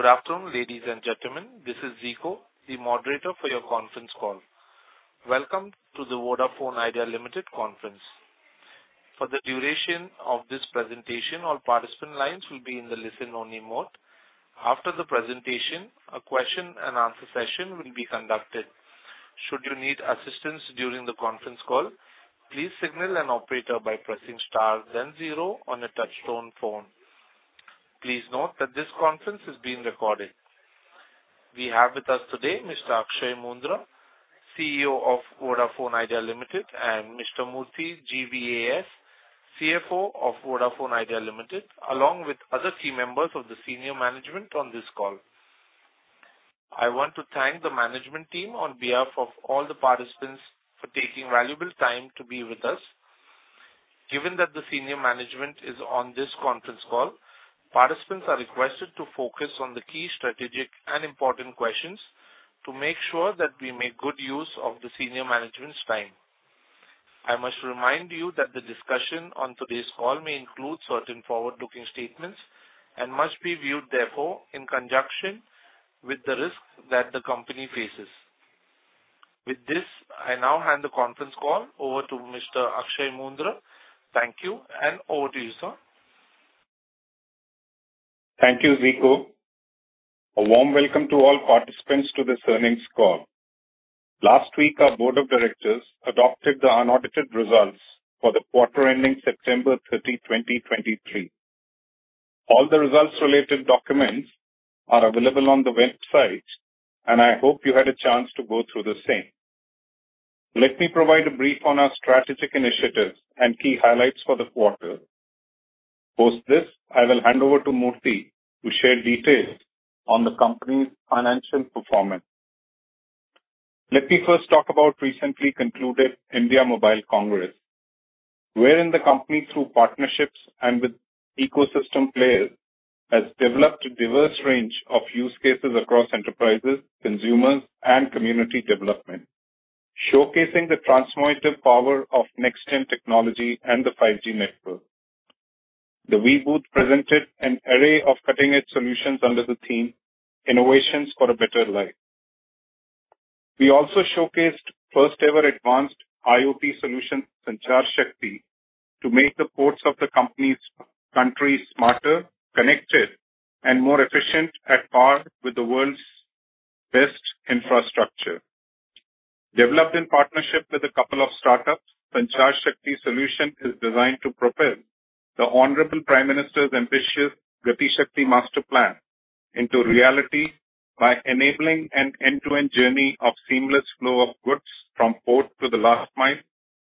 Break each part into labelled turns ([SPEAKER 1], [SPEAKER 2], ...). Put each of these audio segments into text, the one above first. [SPEAKER 1] Good afternoon, ladies and gentlemen. This is Zico, the moderator for your conference call. Welcome to the Vodafone Idea Limited conference. For the duration of this presentation, all participant lines will be in the listen-only mode. After the presentation, a question-and-answer session will be conducted. Should you need assistance during the conference call, please signal an operator by pressing * then zero on a touchtone phone. Please note that this conference is being recorded. We have with us today Mr. Akshaya Moondra, CEO of Vodafone Idea Limited, and Mr. Murthy GVAS, CFO of Vodafone Idea Limited, along with other key members of the senior management on this call. I want to thank the management team on behalf of all the participants for taking valuable time to be with us. Given that the senior management is on this conference call, participants are requested to focus on the key strategic and important questions to make sure that we make good use of the senior management's time. I must remind you that the discussion on today's call may include certain forward-looking statements, and must be viewed, therefore, in conjunction with the risks that the company faces. With this, I now hand the conference call over to Mr. Akshaya Moondra. Thank you, and over to you, sir.
[SPEAKER 2] Thank you, Zico. A warm welcome to all participants to this earnings call. Last week, our board of directors adopted the unaudited results for the quarter ending September 30, 2023. All the results-related documents are available on the website, and I hope you had a chance to go through the same. Let me provide a brief on our strategic initiatives and key highlights for the quarter. Post this, I will hand over to Murthy to share details on the company's financial performance. Let me first talk about recently concluded India Mobile Congress, wherein the company, through partnerships and with ecosystem players, has developed a diverse range of use cases across enterprises, consumers, and community development, showcasing the transformative power of next-gen technology and the 5G network. The Vi booth presented an array of cutting-edge solutions under the theme, Innovations for a Better Life. We also showcased first-ever advanced IoT solution, Sanchar Shakti, to make the ports of the company's country smarter, connected, and more efficient at par with the world's best infrastructure. Developed in partnership with a couple of startups, Sanchar Shakti solution is designed to propel the Honorable Prime Minister's ambitious Gati Shakti Master Plan into reality by enabling an end-to-end journey of seamless flow of goods from port to the last mile,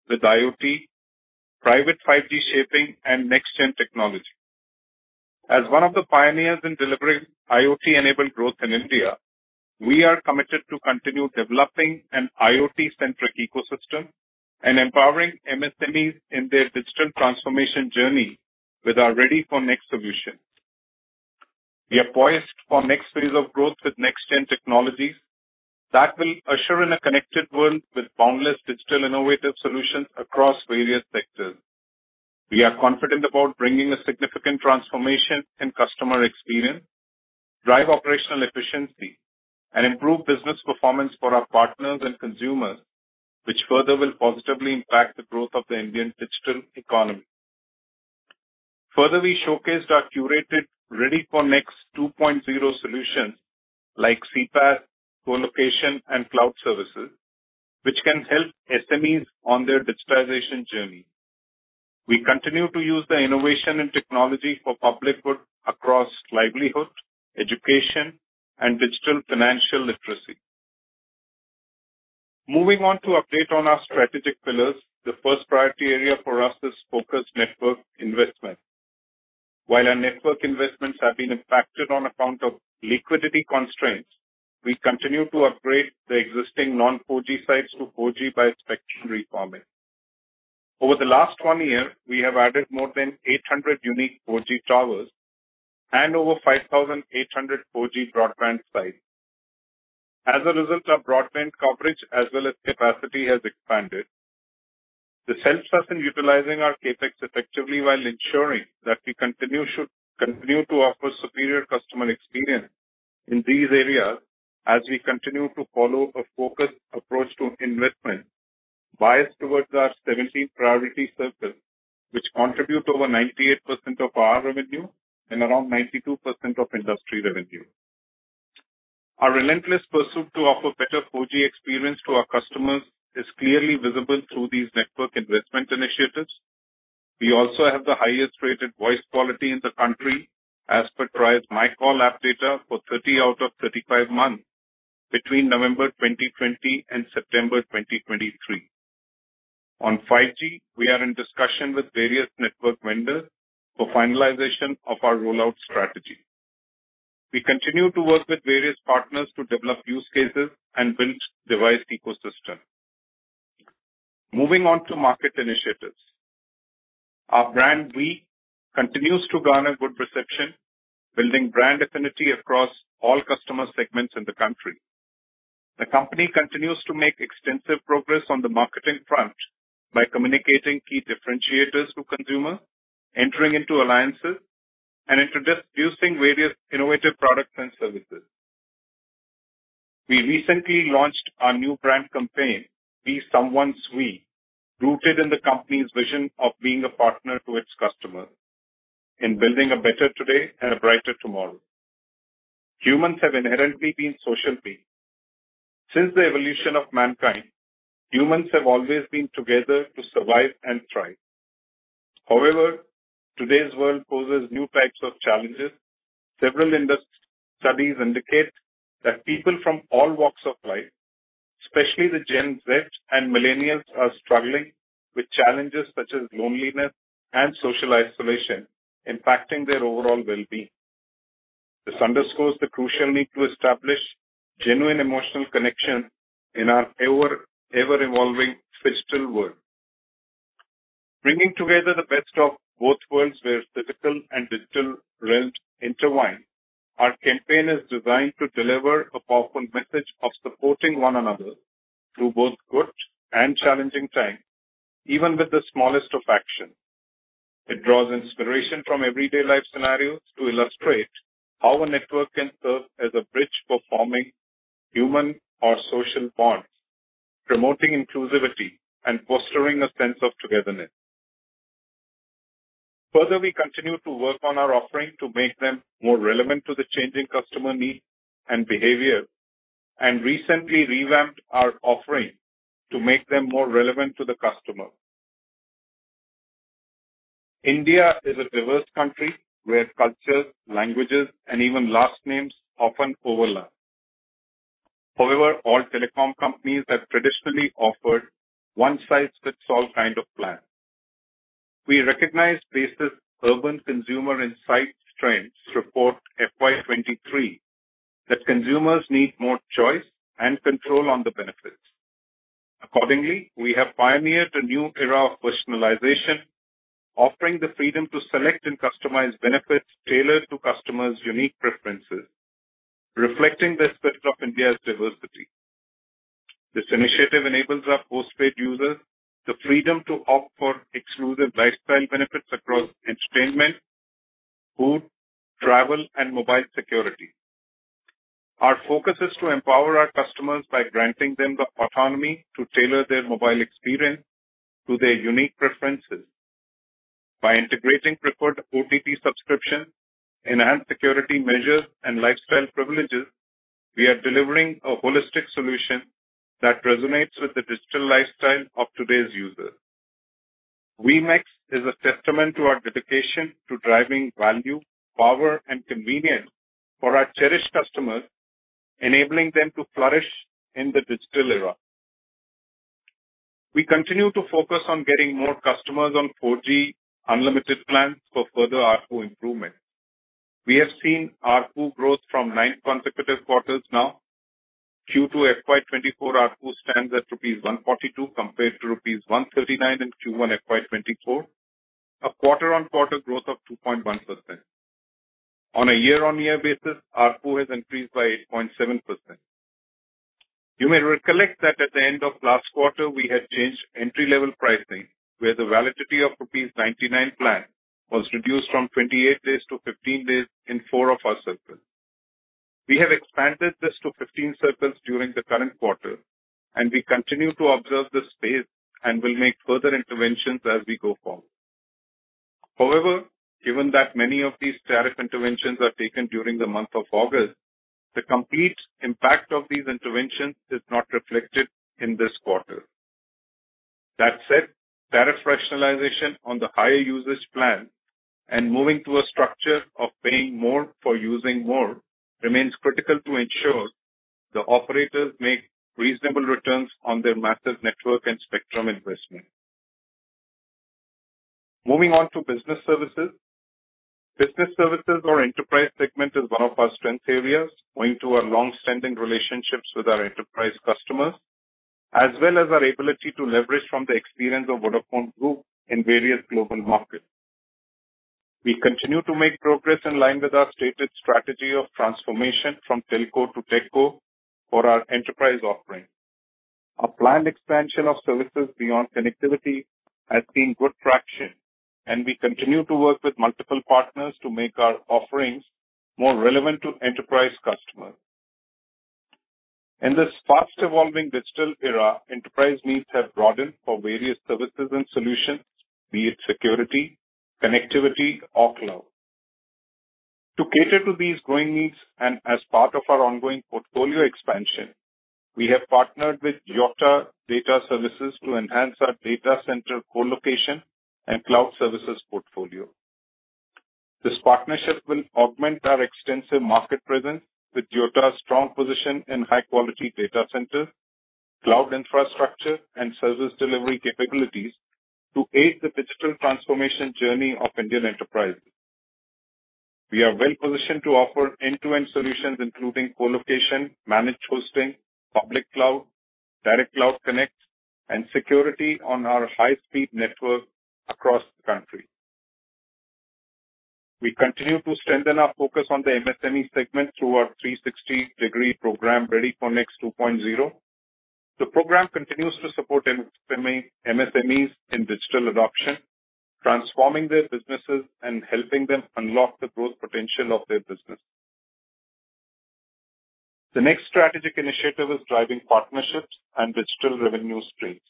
[SPEAKER 2] with IoT, private 5G shipping, and next-gen technology. As one of the pioneers in delivering IoT-enabled growth in India, we are committed to continue developing an IoT-centric ecosystem and empowering MSMEs in their digital transformation journey with our Ready for Next solutions. We are poised for next phase of growth with next-gen technologies that will usher in a connected world with boundless digital innovative solutions across various sectors. We are confident about bringing a significant transformation in customer experience, drive operational efficiency, and improve business performance for our partners and consumers, which further will positively impact the growth of the Indian digital economy. Further, we showcased our curated Ready for Next 2.0 solutions like CPaaS, Colocation, and Cloud Services, which can help SMEs on their digitization journey. We continue to use the innovation and technology for public good across livelihood, education, and digital financial literacy. Moving on to update on our strategic pillars, the first priority area for us is focused network investment. While our network investments have been impacted on account of liquidity constraints, we continue to upgrade the existing non-4G sites to 4G by spectrum reforming. Over the last one year, we have added more than 800 unique 4G towers and over 5,800 4G broadband sites. As a result, our broadband coverage as well as capacity has expanded. This helps us in utilizing our CapEx effectively while ensuring that we continue to offer superior customer experience in these areas as we continue to follow a focused approach to investment, biased towards our 70 priority circles, which contribute over 98% of our revenue and around 92% of industry revenue. Our relentless pursuit to offer better 4G experience to our customers is clearly visible through these network investment initiatives. We also have the highest-rated voice quality in the country as per TRAI MyCall app data for 30 out of 35 months between November 2020 and September 2023. On 5G, we are in discussion with various network vendors for finalization of our rollout strategy. We continue to work with various partners to develop use cases and build device ecosystem. Moving on to market initiatives. Our brand, Vi, continues to garner good reception, building brand affinity across all customer segments in the country. The company continues to make extensive progress on the marketing front by communicating key differentiators to consumers, entering into alliances, and introducing various innovative products and services. We recently launched our new brand campaign, Be Someone's We, rooted in the company's vision of being a partner to its customers in building a better today and a brighter tomorrow. Humans have inherently been social beings. Since the evolution of mankind, humans have always been together to survive and thrive. However, today's world poses new types of challenges. Several industry studies indicate that people from all walks of life, especially the Gen Z and millennials, are struggling with challenges such as loneliness and social isolation, impacting their overall well-being. This underscores the crucial need to establish genuine emotional connection in our ever, ever-evolving physical world. Bringing together the best of both worlds, where physical and digital realms intertwine, our campaign is designed to deliver a powerful message of supporting one another through both good and challenging times, even with the smallest of action. It draws inspiration from everyday life scenarios to illustrate how a network can serve as a bridge for forming human or social bonds, promoting inclusivity and fostering a sense of togetherness. Further, we continue to work on our offerings to make them more relevant to the changing customer needs and behavior, and recently revamped our offerings to make them more relevant to the customer. India is a diverse country where cultures, languages, and even last names often overlap. However, all telecom companies have traditionally offered one-size-fits-all kind of plan. We recognize basis Urban Consumer Insight Trends Report FY 2023, that consumers need more choice and control on the benefits. Accordingly, we have pioneered a new era of personalization, offering the freedom to select and customize benefits tailored to customers' unique preferences, reflecting the spirit of India's diversity. This initiative enables our postpaid users the freedom to opt for exclusive lifestyle benefits across entertainment, food, travel, and mobile security. Our focus is to empower our customers by granting them the autonomy to tailor their mobile experience to their unique preferences. By integrating preferred OTT subscription, enhanced security measures, and lifestyle privileges, we are delivering a holistic solution that resonates with the digital lifestyle of today's user. Vi Max is a testament to our dedication to driving value, power, and convenience for our cherished customers, enabling them to flourish in the digital era. We continue to focus on getting more customers on 4G unlimited plans for further ARPU improvement. We have seen ARPU growth from nine consecutive quarters now. Q2 FY 2024 ARPU stands at rupees 142, compared to rupees 139 in Q1 FY 2024, a quarter-on-quarter growth of 2.1%. On a year-on-year basis, ARPU has increased by 8.7%. You may recollect that at the end of last quarter, we had changed entry-level pricing, where the validity of INR 99 plan was reduced from 28 days to 15 days in four of our circles. We have expanded this to 15 circles during the current quarter, and we continue to observe this space and will make further interventions as we go forward. However, given that many of these tariff interventions are taken during the month of August, the complete impact of these interventions is not reflected in this quarter. That said, tariff rationalization on the higher usage plan and moving to a structure of paying more for using more remains critical to ensure the operators make reasonable returns on their massive network and spectrum investment. Moving on to business services. Business services or enterprise segment is one of our strength areas, owing to our long-standing relationships with our enterprise customers, as well as our ability to leverage from the experience of Vodafone Group in various global markets. We continue to make progress in line with our stated strategy of transformation from telco to techco for our enterprise offerings. Our planned expansion of services beyond connectivity has seen good traction, and we continue to work with multiple partners to make our offerings more relevant to enterprise customers. In this fast-evolving digital era, enterprise needs have broadened for various services and solutions, be it security, connectivity, or cloud. To cater to these growing needs and as part of our ongoing portfolio expansion, we have partnered with Yotta Data Services to enhance our data center colocation and cloud services portfolio. This partnership will augment our extensive market presence with Yotta's strong position in high-quality data centers, cloud infrastructure, and service delivery capabilities to aid the digital transformation journey of Indian enterprises. We are well-positioned to offer end-to-end solutions, including colocation, managed hosting, public cloud, direct cloud connect, and security on our high-speed network across the country.... We continue to strengthen our focus on the MSME segment through our 360-degree program, Ready for Next 2.0. The program continues to support MSME, MSMEs in digital adoption, transforming their businesses and helping them unlock the growth potential of their business. The next strategic initiative is driving partnerships and digital revenue streams.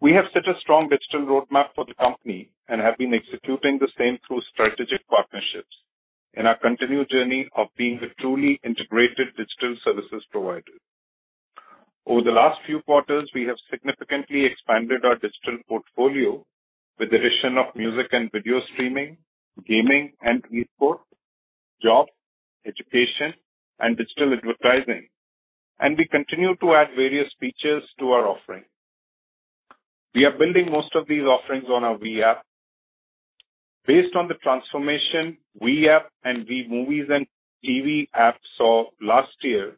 [SPEAKER 2] We have set a strong digital roadmap for the company and have been executing the same through strategic partnerships in our continued journey of being a truly integrated digital services provider. Over the last few quarters, we have significantly expanded our digital portfolio with the addition of music and video streaming, gaming and e-sport, job, education, and digital advertising, and we continue to add various features to our offering. We are building most of these offerings on our Vi app. Based on the transformation Vi app and Vi Movies and TV app saw last year,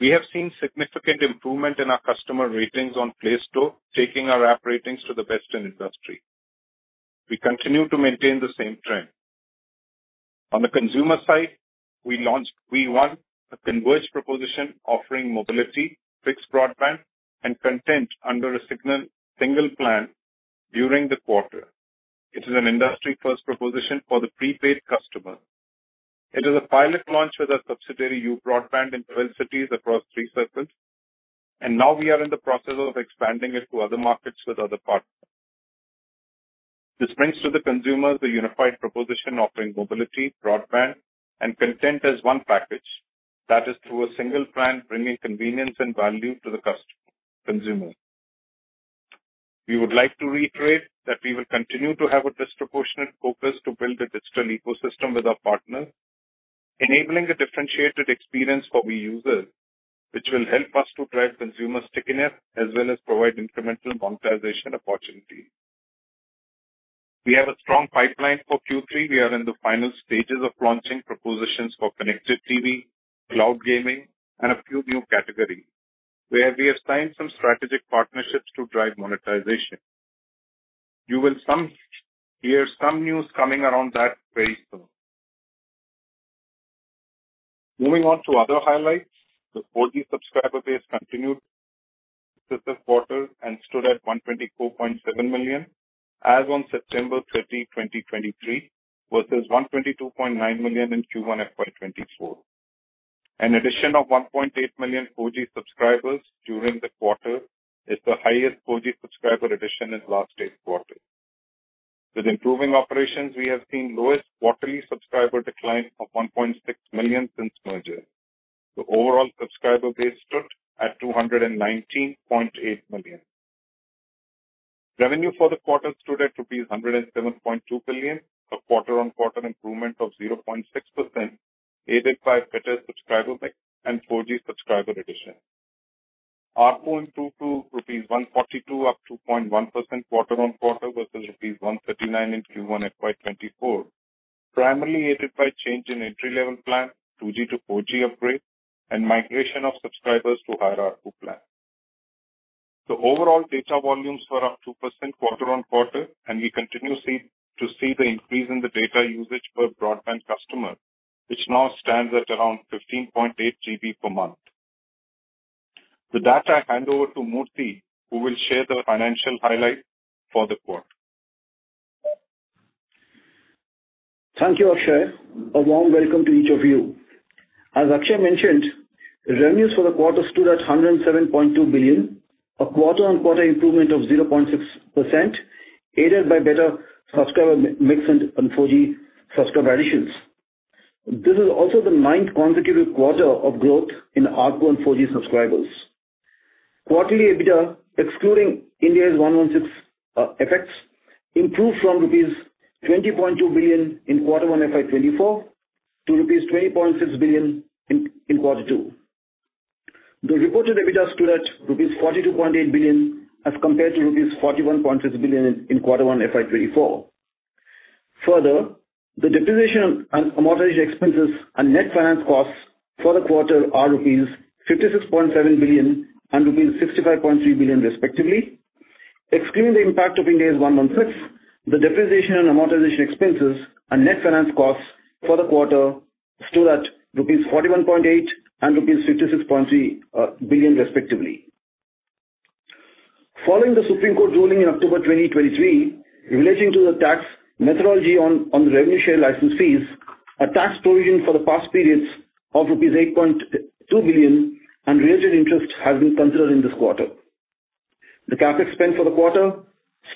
[SPEAKER 2] we have seen significant improvement in our customer ratings on Play Store, taking our app ratings to the best in industry. We continue to maintain the same trend. On the consumer side, we launched Vi One, a converged proposition offering mobility, fixed broadband, and content under a single plan during the quarter. It is an industry-first proposition for the prepaid customer. It is a pilot launch with our subsidiary, YOU Broadband, in 12 cities across 3 circles, and now we are in the process of expanding it to other markets with other partners. This brings to the consumer the unified proposition offering mobility, broadband, and content as one package. That is, through a single plan, bringing convenience and value to the consumer. We would like to reiterate that we will continue to have a disproportionate focus to build a digital ecosystem with our partners, enabling a differentiated experience for Vi users, which will help us to drive consumer stickiness as well as provide incremental monetization opportunities. We have a strong pipeline for Q3. We are in the final stages of launching propositions for connected TV, cloud gaming, and a few new categories, where we have signed some strategic partnerships to drive monetization. You will hear some news coming around that very soon. Moving on to other highlights. The 4G subscriber base continued this quarter and stood at 124.7 million as on September 30, 2023, versus 122.9 million in Q1 FY 2024. An addition of 1.8 million 4G subscribers during the quarter is the highest 4G subscriber addition in last eight quarters. With improving operations, we have seen lowest quarterly subscriber decline of 1.6 million since merger. The overall subscriber base stood at 219.8 million. Revenue for the quarter stood at INR 107.2 billion, a quarter-on-quarter improvement of 0.6%, aided by better subscriber mix and 4G subscriber addition. ARPU improved to rupees 142, up 2.1% quarter on quarter, versus rupees 139 in Q1 FY 2024, primarily aided by change in entry-level plan, 2G to 4G upgrade, and migration of subscribers to higher ARPU plan. The overall data volumes were up 2% quarter on quarter, and we continue to see the increase in the data usage per broadband customer, which now stands at around 15.8 GB per month. With that, I hand over to Murthy, who will share the financial highlights for the quarter.
[SPEAKER 3] Thank you, Akshaya. A warm welcome to each of you. As Akshaya mentioned, revenues for the quarter stood at 107.2 billion, a quarter-on-quarter improvement of 0.6%, aided by better subscriber mix and 4G subscriber additions. This is also the ninth consecutive quarter of growth in ARPU and 4G subscribers. Quarterly EBITDA, excluding Ind AS 116 effects, improved from rupees 20.2 billion in Quarter One FY 2024 to rupees 20.6 billion in quarter two. The reported EBITDA stood at rupees 42.8 billion, as compared to rupees 41.6 billion in Quarter One FY 2024. Further, the depreciation and amortization expenses and net finance costs for the quarter are rupees 56.7 billion and rupees 65.3 billion, respectively. Excluding the impact of Ind AS 116, the depreciation and amortization expenses and net finance costs for the quarter stood at rupees 41.8 billion and rupees 56.3 billion, respectively. Following the Supreme Court ruling in October 2023, relating to the tax methodology on the revenue share license fees, a tax provision for the past periods of rupees 8.2 billion and related Indus have been considered in this quarter. The CapEx spend for the quarter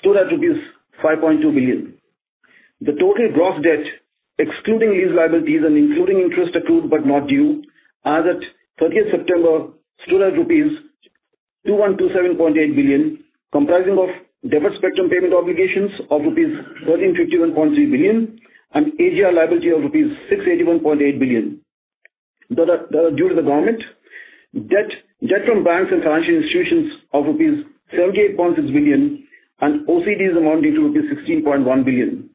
[SPEAKER 3] stood at rupees 5.2 billion. The total gross debt, excluding lease liabilities and including Indus accrued but not due, as at 30th September, stood at rupees 2,127.8 billion, comprising of deferred spectrum payment obligations of rupees 1,351.3 billion and AGR liability of rupees 681.8 billion that are due to the government. Debt, debt from banks and financial institutions of rupees 78.6 billion and OCDs amounting to rupees 16.1 billion.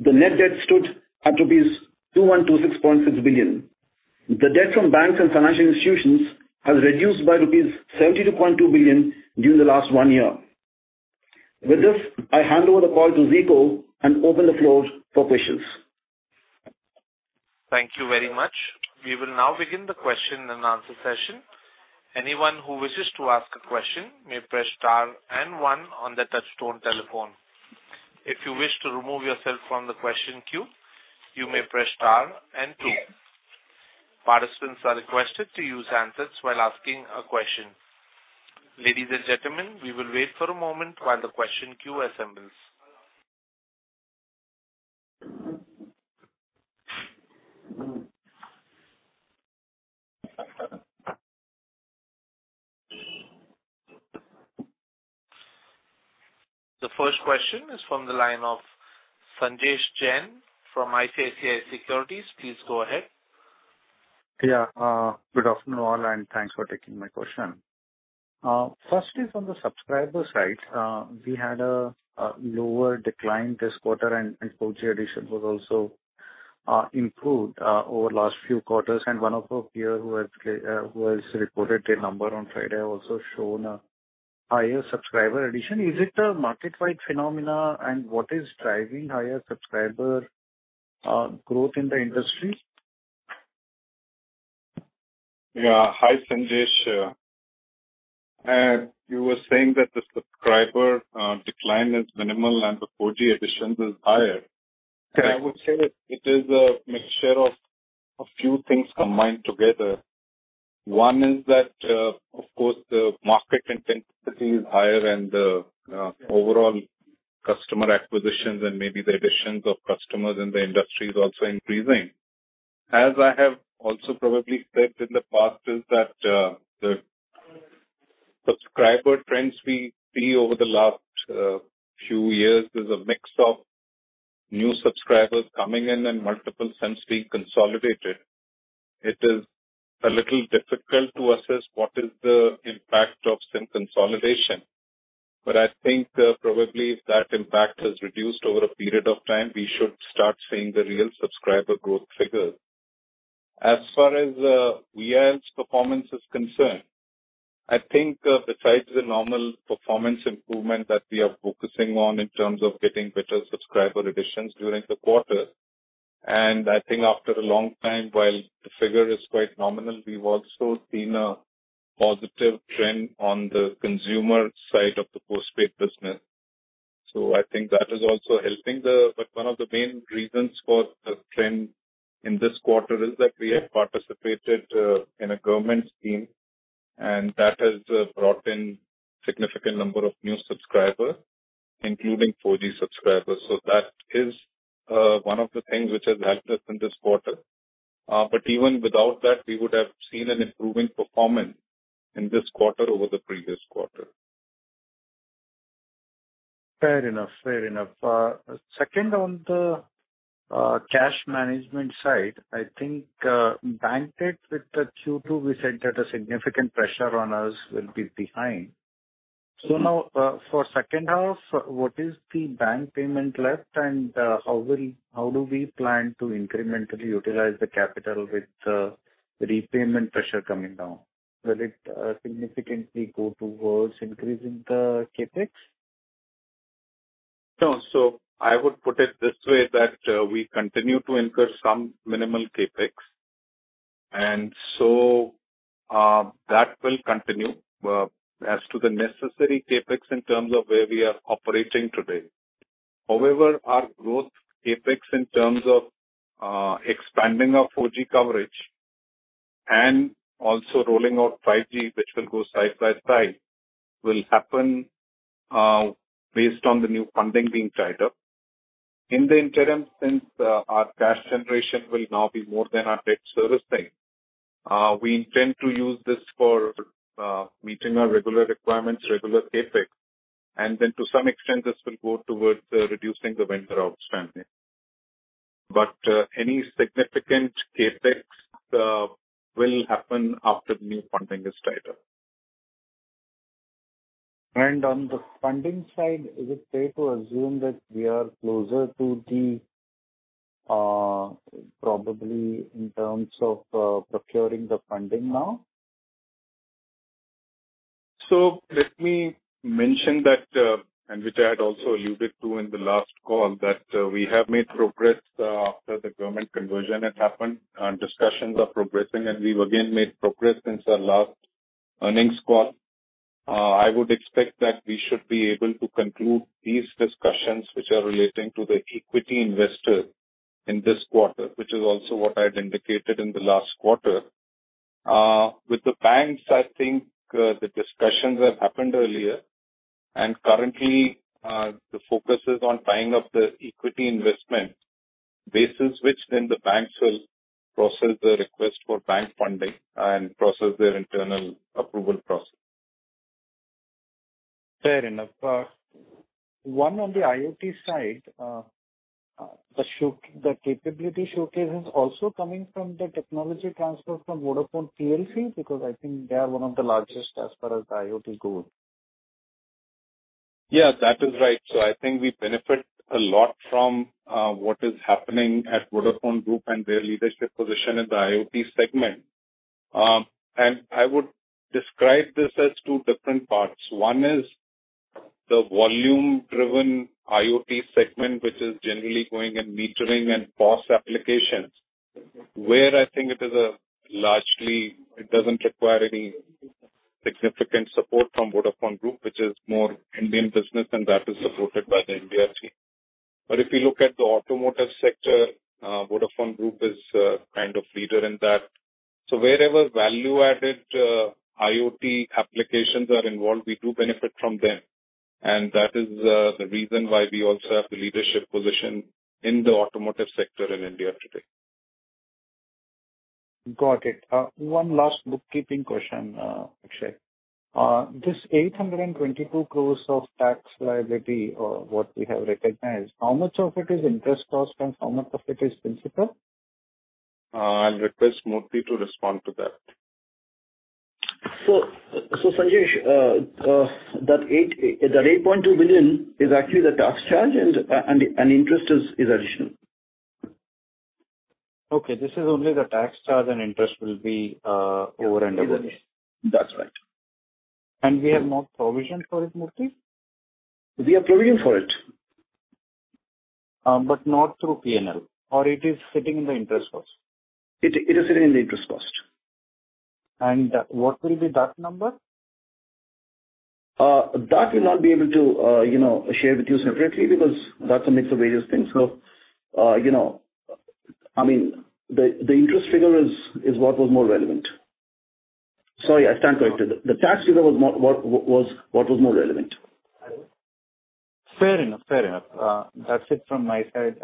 [SPEAKER 3] The net debt stood at rupees 2,126.6 billion....
[SPEAKER 2] The debt from banks and financial institutions has reduced by rupees 72.2 billion during the last 1 year. With this, I hand over the call to Zico and open the floor for questions.
[SPEAKER 1] Thank you very much. We will now begin the question and answer session. Anyone who wishes to ask a question may press * and one on the touchtone telephone. If you wish to remove yourself from the question queue, you may press * and two. Participants are requested to use handsets while asking a question. Ladies and gentlemen, we will wait for a moment while the question queue assembles. The first question is from the line of Sanjesh Jain from ICICI Securities. Please go ahead.
[SPEAKER 4] Yeah. Good afternoon, all, and thanks for taking my question. Firstly, from the subscriber side, we had a lower decline this quarter, and 4G addition was also improved over the last few quarters. And one of our peer who has reported a number on Friday also shown a higher subscriber addition. Is it a market-wide phenomenon, and what is driving higher subscriber growth in the industry?
[SPEAKER 2] Yeah. Hi, Sanjesh. You were saying that the subscriber decline is minimal and the 4G additions is higher. And I would say that it is a mixture of a few things combined together. One is that, of course, the market intensity is higher and the overall customer acquisitions and maybe the additions of customers in the industry is also increasing. As I have also probably said in the past, is that, the subscriber trends we see over the last few years is a mix of new subscribers coming in and multiple SIMs being consolidated. It is a little difficult to assess what is the impact of SIM consolidation, but I think, probably if that impact has reduced over a period of time, we should start seeing the real subscriber growth figures. As far as VI's performance is concerned, I think, besides the normal performance improvement that we are focusing on in terms of getting better subscriber additions during the quarter, and I think after a long time, while the figure is quite nominal, we've also seen a positive trend on the consumer side of the postpaid business. So I think that is also helping. But one of the main reasons for the trend in this quarter is that we have participated in a government scheme, and that has brought in significant number of new subscribers, including 4G subscribers. So that is one of the things which has helped us in this quarter. But even without that, we would have seen an improving performance in this quarter over the previous quarter.
[SPEAKER 4] Fair enough. Fair enough. Second, on the cash management side, I think, bank debt with the Q2, we said that a significant pressure on us will be behind. So now, for second half, what is the bank payment left, and how will—how do we plan to incrementally utilize the capital with the repayment pressure coming down? Will it significantly go towards increasing the CapEx?
[SPEAKER 2] No. So I would put it this way, that, we continue to incur some minimal CapEx, and so, that will continue, as to the necessary CapEx in terms of where we are operating today. However, our growth CapEx, in terms of, expanding our 4G coverage and also rolling out 5G, which will go side by side, will happen, based on the new funding being tied up. In the interim, since, our cash generation will now be more than our debt service payment, we intend to use this for, meeting our regular requirements, regular CapEx, and then to some extent, this will go towards, reducing the vendor outstanding. But, any significant CapEx, will happen after the new funding is tied up.
[SPEAKER 4] On the funding side, is it safe to assume that we are closer to the, probably in terms of, procuring the funding now?
[SPEAKER 2] Let me mention that, which I had also alluded to in the last call, that we have made progress after the government conversion had happened, and discussions are progressing and we've again made progress since our last earnings call. I would expect that we should be able to conclude these discussions, which are relating to the equity investor in this quarter, which is also what I had indicated in the last quarter. With the banks, I think, the discussions have happened earlier, and currently, the focus is on tying up the equity investment, basis which then the banks will process the request for bank funding and process their internal approval process.
[SPEAKER 4] Fair enough. One, on the IoT side, the show, the capability showcase is also coming from the technology transfer from Vodafone PLC, because I think they are one of the largest as far as IoT go....
[SPEAKER 2] Yeah, that is right. So I think we benefit a lot from what is happening at Vodafone Group and their leadership position in the IoT segment. And I would describe this as two different parts. One is the volume-driven IoT segment, which is generally going in metering and cost applications, where I think it is a largely, it doesn't require any significant support from Vodafone Group, which is more Indian business, and that is supported by the India team. But if you look at the automotive sector, Vodafone Group is kind of leader in that. So wherever value-added IoT applications are involved, we do benefit from them, and that is the reason why we also have the leadership position in the automotive sector in India today.
[SPEAKER 4] Got it. One last bookkeeping question, Akshaya. This 822 crore of tax liability, or what we have recognized, how much of it is Indus cost and how much of it is principal?
[SPEAKER 2] I'll request Murthy to respond to that.
[SPEAKER 3] So, Sanjesh, that 8.2 billion is actually the tax charge, and Indus is additional.
[SPEAKER 4] Okay, this is only the tax charge and Indus will be over and above.
[SPEAKER 3] That's right.
[SPEAKER 4] We have more provision for it, Murthy?
[SPEAKER 3] We have provision for it.
[SPEAKER 4] But not through P&L, or it is sitting in the Indus cost?
[SPEAKER 3] It is sitting in the Indus cost.
[SPEAKER 4] What will be that number?
[SPEAKER 3] That we'll not be able to, you know, share with you separately, because that's a mix of various things. You know, I mean, the Indus figure is what was more relevant. Sorry, I stand corrected. The tax figure was what was more relevant.
[SPEAKER 4] Fair enough. Fair enough. That's it from my side.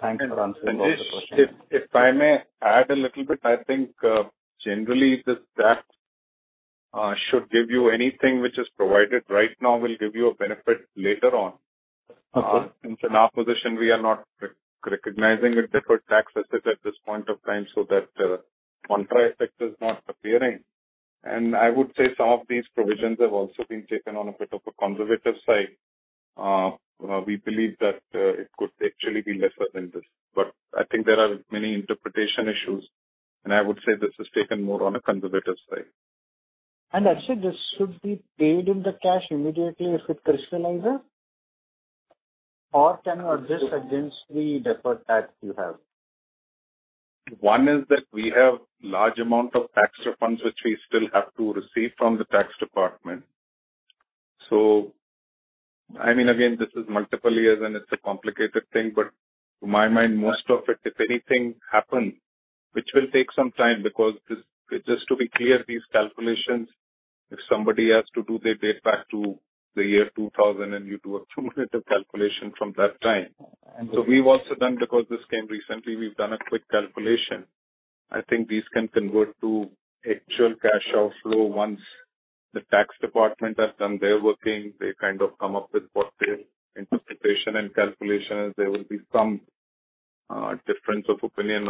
[SPEAKER 4] Thanks for answering all the questions.
[SPEAKER 2] Sanjesh, if I may add a little bit, I think, generally, this tax should give you anything which is provided right now, will give you a benefit later on.
[SPEAKER 4] Okay.
[SPEAKER 2] In our position, we are not re-recognizing a deferred tax asset at this point of time, so that, contra effect is not appearing. I would say some of these provisions have also been taken on a bit of a conservative side. We believe that, it could actually be lesser than this, but I think there are many interpretation issues, and I would say this is taken more on a conservative side.
[SPEAKER 4] Actually, this should be paid in cash immediately if it crystallizes, or can you adjust against the deferred tax you have?
[SPEAKER 2] One is that we have large amount of tax refunds, which we still have to receive from the tax department. So, I mean, again, this is multiple years, and it's a complicated thing, but to my mind, most of it, if anything happens, which will take some time, because this, just to be clear, these calculations, if somebody has to do, they date back to the year 2000, and you do a cumulative calculation from that time. So we've also done, because this came recently, we've done a quick calculation. I think these can convert to actual cash outflow once the tax department has done their working, they kind of come up with what their interpretation and calculation is. There will be some difference of opinion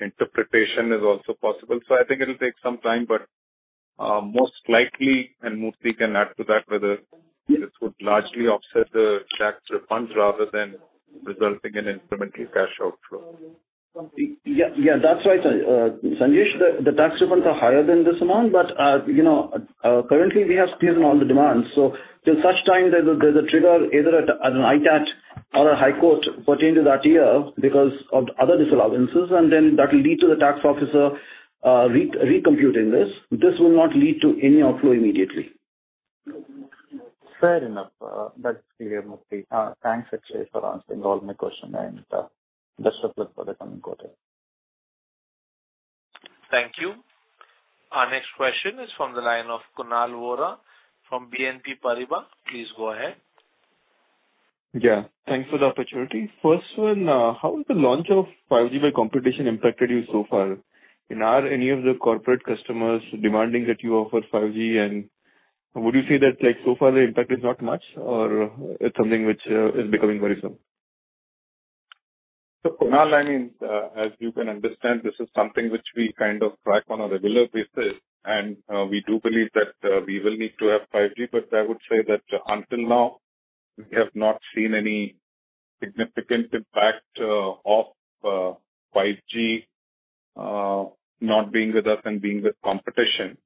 [SPEAKER 2] on the interpretation is also possible. I think it'll take some time, but, most likely, and Murthy can add to that, whether this would largely offset the tax refunds rather than resulting in incremental cash outflow.
[SPEAKER 3] Yeah, yeah, that's right, Sanjesh, the tax refunds are higher than this amount, but, you know, currently, we have given all the demands, so till such time there's a trigger, either at an ITAT or a High Court for changes that year because of other disallowances, and then that will lead to the tax officer recomputing this. This will not lead to any outflow immediately.
[SPEAKER 4] Fair enough. That's clear, Murthy. Thanks, Akshaya, for answering all my questions, and best of luck for the coming quarter.
[SPEAKER 1] Thank you. Our next question is from the line of Kunal Vora from BNP Paribas. Please go ahead.
[SPEAKER 5] Yeah, thanks for the opportunity. First one, how has the launch of 5G by competition impacted you so far? And are any of the corporate customers demanding that you offer 5G? And would you say that, like, so far, the impact is not much, or it's something which, is becoming very soon?
[SPEAKER 2] So, Kunal, I mean, as you can understand, this is something which we kind of track on a regular basis, and we do believe that we will need to have 5G, but I would say that until now, we have not seen any significant impact of 5G not being with us and being with competition.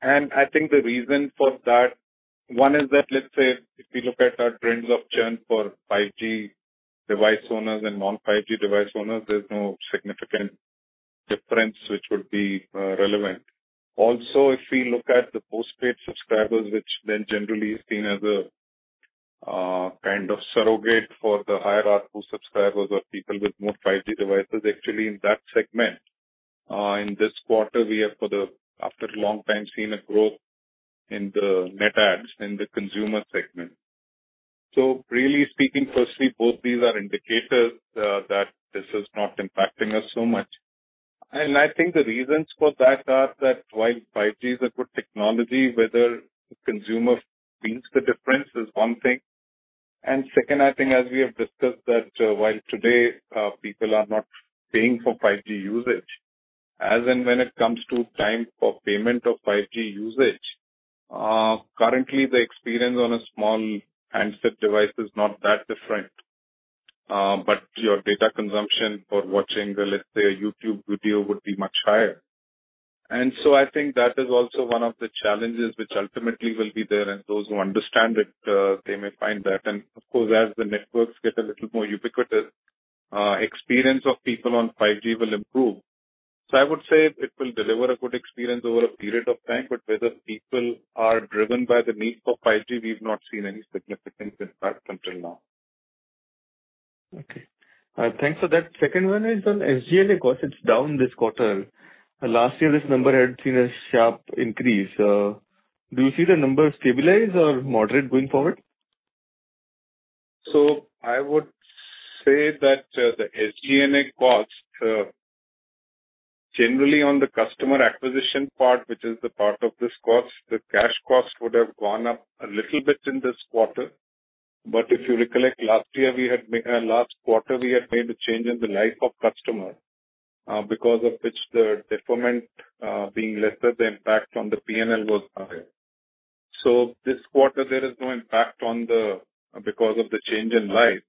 [SPEAKER 2] And I think the reason for that, one is that, let's say, if we look at our trends of churn for 5G device owners and non-5G device owners, there's no significant difference which would be relevant. Also, if we look at the postpaid subscribers, which then generally is seen as a kind of surrogate for the higher ARPU subscribers or people with more 5G devices, actually, in that segment, in this quarter, we have, after a long time, seen a growth in the net adds in the consumer segment. So really speaking, firstly, both these are indicators that this is not impacting us so much. And I think the reasons for that are that while 5G is a good technology, whether the consumer feels the difference is one thing.... And second, I think as we have discussed, that, while today, people are not paying for 5G usage, as in when it comes to time for payment of 5G usage, currently, the experience on a small handset device is not that different. But your data consumption for watching, let's say, a YouTube video, would be much higher. And so I think that is also one of the challenges which ultimately will be there, and those who understand it, they may find that. And of course, as the networks get a little more ubiquitous, experience of people on 5G will improve. So I would say it will deliver a good experience over a period of time, but whether people are driven by the need for 5G, we've not seen any significant impact until now.
[SPEAKER 5] Okay, thanks for that. Second one is on SG&A costs, it's down this quarter. Last year, this number had seen a sharp increase. Do you see the number stabilize or moderate going forward?
[SPEAKER 2] So I would say that, the SG&A cost, generally on the customer acquisition part, which is the part of this cost, the cash cost would have gone up a little bit in this quarter. But if you recollect, last quarter, we had made a change in the life of customer, because of which the deferment, being lesser, the impact on the PNL was higher. So this quarter, there is no impact on the, because of the change in life.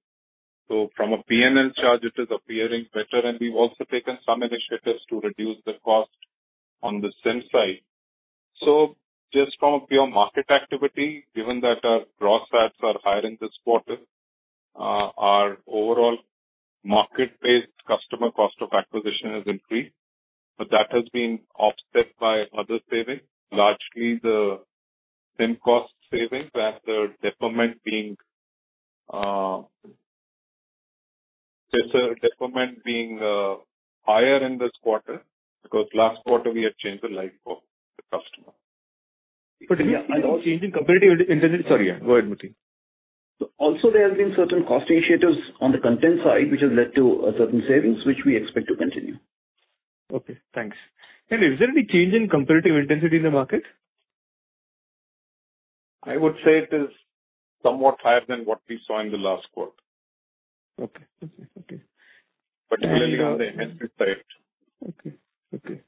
[SPEAKER 2] So from a PNL charge, it is appearing better, and we've also taken some initiatives to reduce the cost on the SIM side. Just from a pure market activity, given that our gross ads are higher in this quarter, our overall market-based customer cost of acquisition has increased, but that has been offset by other savings, largely the SIM cost savings, where the deferment being, there's a deferment being higher in this quarter, because last quarter we had changed the life of the customer.
[SPEAKER 5] But yeah, and also changing competitive intensity. Sorry, yeah, go ahead, Mukul.
[SPEAKER 3] Also, there have been certain cost initiatives on the content side, which has led to certain savings, which we expect to continue.
[SPEAKER 5] Okay, thanks. Is there any change in competitive intensity in the market?
[SPEAKER 2] I would say it is somewhat higher than what we saw in the last quarter.
[SPEAKER 5] Okay. Okay, okay.
[SPEAKER 2] Particularly on the handset side.
[SPEAKER 5] Okay. Okay.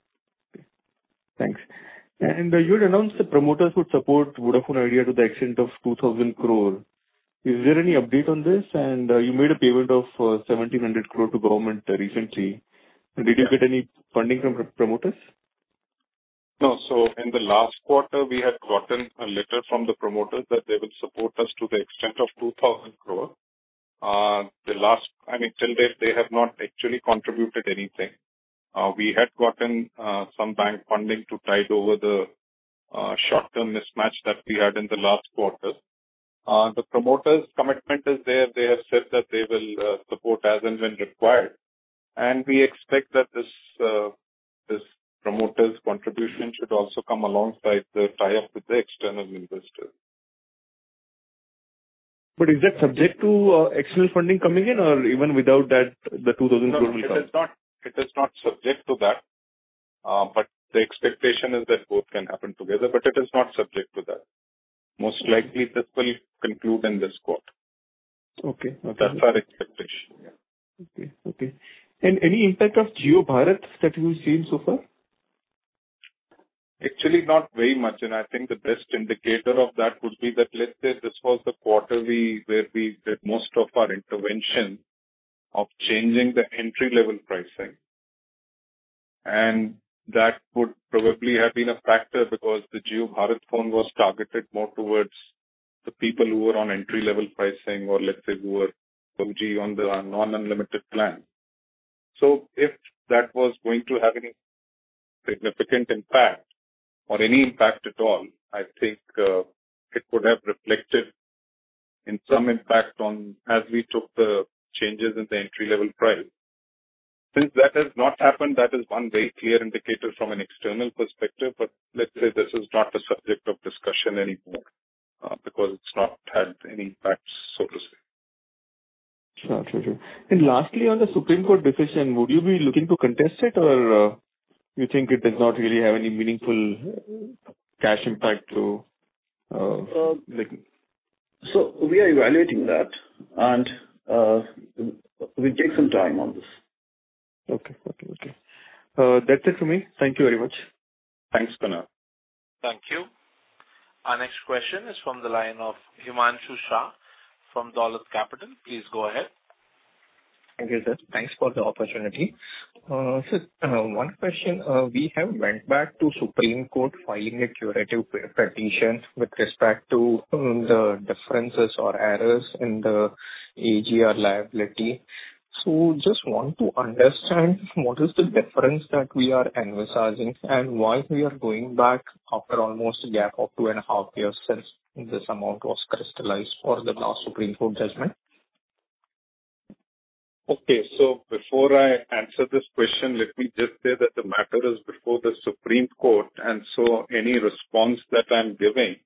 [SPEAKER 5] Okay. Thanks. And you had announced the promoters would support Vodafone Idea to the extent of 2,000 crore. Is there any update on this? And, you made a payment of 1,700 crore to government recently. Did you get any funding from the promoters?
[SPEAKER 2] No. So in the last quarter, we had gotten a letter from the promoters that they will support us to the extent of 2,000 crore. I mean, till date, they have not actually contributed anything. We had gotten some bank funding to tide over the short-term mismatch that we had in the last quarter. The promoters' commitment is there. They have said that they will support as and when required, and we expect that this promoters' contribution should also come alongside the tie-up with the external investor.
[SPEAKER 5] But is that subject to external funding coming in, or even without that, the 2,000 crore will come?
[SPEAKER 2] No, it is not, it is not subject to that, but the expectation is that both can happen together, but it is not subject to that. Most likely, this will conclude in this quarter.
[SPEAKER 5] Okay, okay.
[SPEAKER 2] That's our expectation, yeah.
[SPEAKER 5] Okay, okay. Any impact of Jio Bharat that you've seen so far?
[SPEAKER 2] Actually, not very much, and I think the best indicator of that would be that, let's say, this was the quarter where we did most of our intervention of changing the entry-level pricing. And that would probably have been a factor, because the Jio Bharat phone was targeted more towards the people who were on entry-level pricing or, let's say, who were from Jio on the non-unlimited plan. So if that was going to have any significant impact or any impact at all, I think it would have reflected in some impact on as we took the changes in the entry-level price. Since that has not happened, that is one very clear indicator from an external perspective, but let's say this is not a subject of discussion anymore, because it's not had any impact, so to say.
[SPEAKER 5] Got you. And lastly, on the Supreme Court decision, would you be looking to contest it, or you think it does not really have any meaningful cash impact to, like...
[SPEAKER 3] We are evaluating that, and we take some time on this.
[SPEAKER 5] Okay. Okay, okay. That's it for me. Thank you very much.
[SPEAKER 2] Thanks, Kunal.
[SPEAKER 1] Thank you. Our next question is from the line of Himanshu Shah from Dolat Capital. Please go ahead.
[SPEAKER 6] Thank you, sir. Thanks for the opportunity. One question, we have went back to Supreme Court filing a curative petition with respect to the differences or errors in the AGR liability. Just want to understand, what is the difference that we are envisaging, and why we are going back after almost a gap of 2.5 years since this amount was crystallized for the last Supreme Court judgment?
[SPEAKER 2] Okay. Before I answer this question, let me just say that the matter is before the Supreme Court, and so any response that I'm giving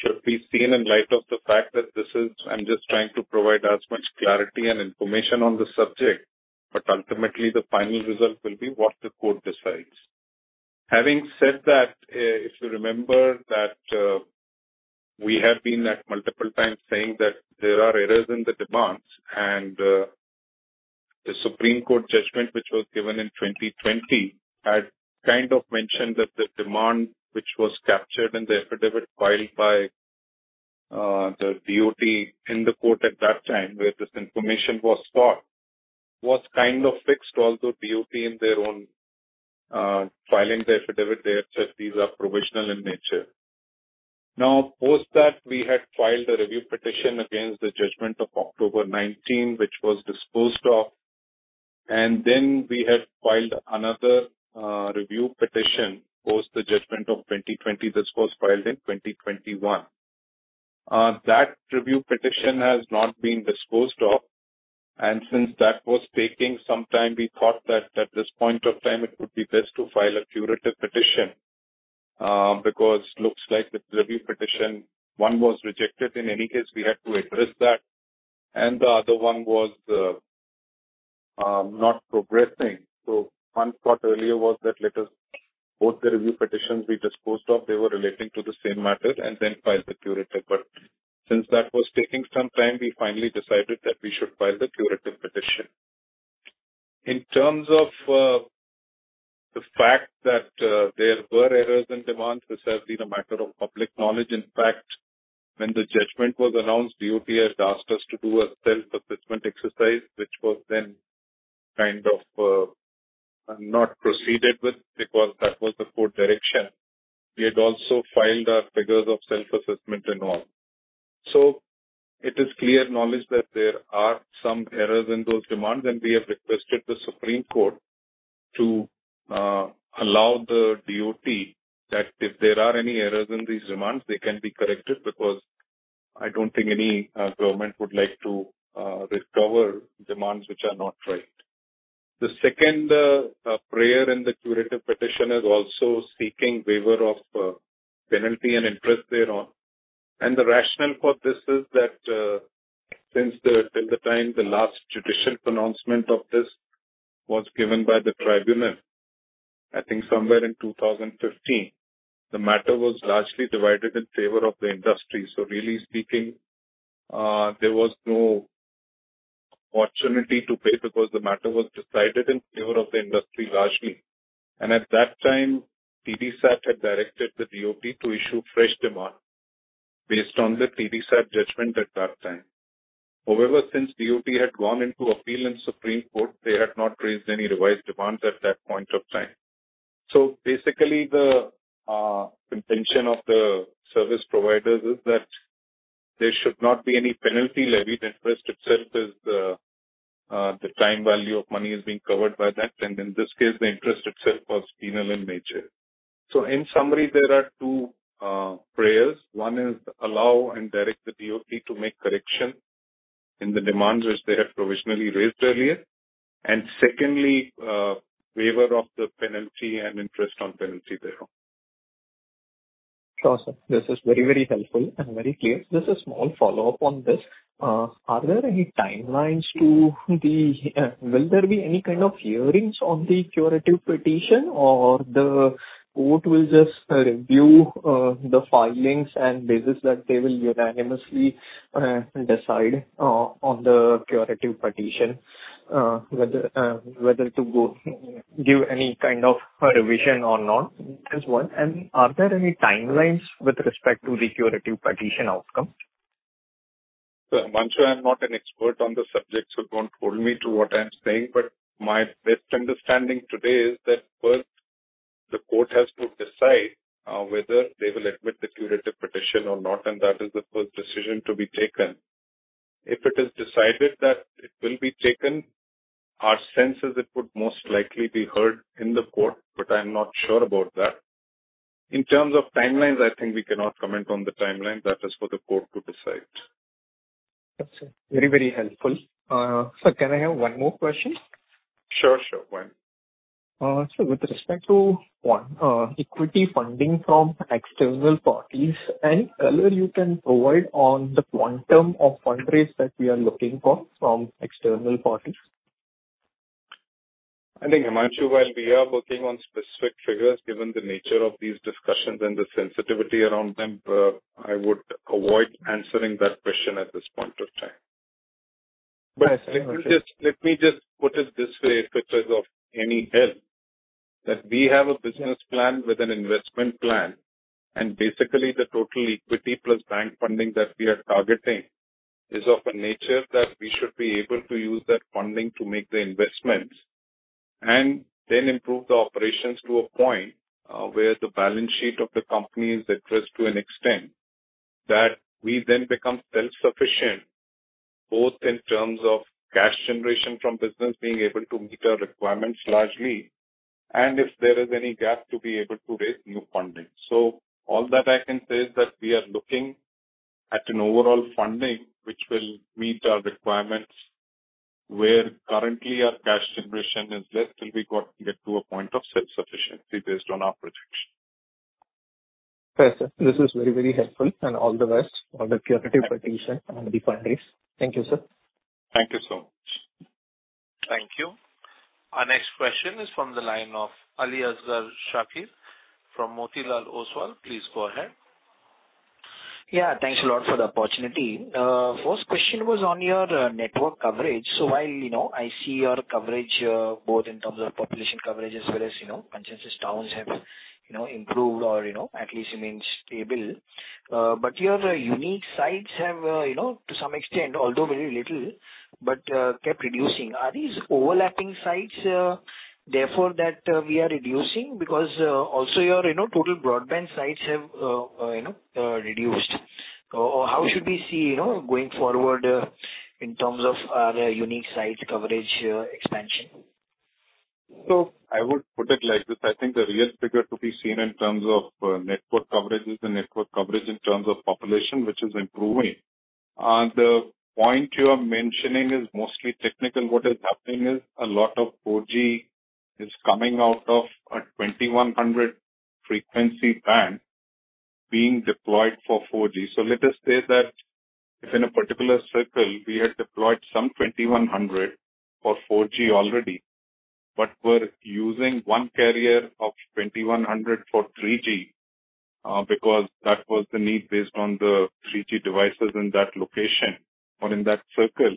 [SPEAKER 2] should be seen in light of the fact that this is... I'm just trying to provide as much clarity and information on the subject, but ultimately, the final result will be what the court decides. Having said that, if you remember that we have been at multiple times saying that there are errors in the demands, and the Supreme Court judgment, which was given in 2020, had kind of mentioned that the demand, which was captured in the affidavit filed by the DoT in the court at that time, where this information was sought, was kind of fixed, although DoT in their own filing the affidavit, they have said these are provisional in nature. Now, post that, we had filed a review petition against the judgment of October 2019, which was disposed of, and then we had filed another review petition post the judgment of 2020. This was filed in 2021. That review petition has not been disposed of, and since that was taking some time, we thought that at this point of time, it would be best to file a curative petition, because looks like the review petition, one was rejected. In any case, we had to address that, and the other one was not progressing. So one thought earlier was that let us, both the review petitions be disposed of, they were relating to the same matter, and then file the curative. But since that was taking some time, we finally decided that we should file the curative petition. In terms of, the fact that, there were errors in demand, this has been a matter of public knowledge. In fact, when the judgment was announced, DoT had asked us to do a self-assessment exercise, which was then kind of, not proceeded with, because that was the court direction. We had also filed our figures of self-assessment and all. So it is clear knowledge that there are some errors in those demands, and we have requested the Supreme Court to, allow the DoT, that if there are any errors in these demands, they can be corrected, because I don't think any, government would like to, recover demands which are not right. The second, prayer in the curative petition is also seeking waiver of, penalty and Indus thereon. The rationale for this is that, since the time the last judicial pronouncement of this was given by the tribunal, I think somewhere in 2015, the matter was largely decided in favor of the industry. So really speaking, there was no opportunity to pay, because the matter was decided in favor of the industry, largely. And at that time, TDSAT had directed the DoT to issue fresh demand based on the TDSAT judgment at that time. However, since DoT had gone into appeal in Supreme Court, they had not raised any revised demands at that point of time. So basically, the intention of the service providers is that there should not be any penalty levied. Interest itself is, the time value of money is being covered by that, and in this case, the Indus itself was penal in nature. So in summary, there are two prayers. One is allow and direct the DoT to make correction in the demands which they have provisionally raised earlier, and secondly, waiver of the penalty and Indus on penalty thereon.
[SPEAKER 6] Sure, sir. This is very, very helpful and very clear. Just a small follow-up on this. Are there any timelines to the... Will there be any kind of hearings on the curative petition, or the court will just review the filings and basis that they will unanimously decide on the curative petition, whether to go, give any kind of a revision or not? This one one. Are there any timelines with respect to the curative petition outcome?
[SPEAKER 2] Himanshu, I'm not an expert on the subject, so don't hold me to what I'm saying, but my best understanding today is that, first, the court has to decide whether they will admit the curative petition or not, and that is the first decision to be taken. If it is decided that it will be taken, our sense is it would most likely be heard in the court, but I'm not sure about that. In terms of timelines, I think we cannot comment on the timeline. That is for the court to decide.
[SPEAKER 6] That's very, very helpful. Sir, can I have one more question?
[SPEAKER 2] Sure, sure. Go on.
[SPEAKER 6] So, with respect to one, equity funding from external parties, and whether you can provide on the quantum of fundraise that we are looking for from external parties?
[SPEAKER 2] I think, Himanshu, while we are working on specific figures, given the nature of these discussions and the sensitivity around them, I would avoid answering that question at this point of time.
[SPEAKER 6] Yes, okay.
[SPEAKER 2] Let me just, let me just put it this way, if it is of any help, that we have a business plan with an investment plan, and basically, the total equity plus bank funding that we are targeting is of a nature that we should be able to use that funding to make the investments, and then improve the operations to a point, where the balance sheet of the company is addressed to an extent, that we then become self-sufficient, both in terms of cash generation from business, being able to meet our requirements largely, and if there is any gap, to be able to raise new funding. So all that I can say is that we are looking at an overall funding which will meet our requirements, where currently our cash generation is less, till we get to a point of self-sufficiency based on our projections....
[SPEAKER 6] This is very, very helpful, and all the best for the curative petition on the five days. Thank you, sir.
[SPEAKER 2] Thank you so much.
[SPEAKER 1] Thank you. Our next question is from the line of Ali Asgar Shakir from Motilal Oswal. Please go ahead.
[SPEAKER 7] Yeah, thanks a lot for the opportunity. First question was on your network coverage. So while, you know, I see your coverage both in terms of population coverage as well as, you know, connected towns have, you know, improved or, you know, at least remains stable. But your unique sites have, you know, to some extent, although very little, but kept reducing. Are these overlapping sites therefore that we are reducing? Because also your total broadband sites have reduced. Or how should we see, you know, going forward in terms of the unique site coverage expansion?
[SPEAKER 2] So I would put it like this: I think the real figure to be seen in terms of network coverage is the network coverage in terms of population, which is improving. The point you are mentioning is mostly technical. What is happening is a lot of 4G is coming out of a 2100 frequency band being deployed for 4G. So let us say that if in a particular circle we had deployed some 2100 for 4G already, but we're using one carrier of 2100 for 3G, because that was the need based on the 3G devices in that location or in that circle,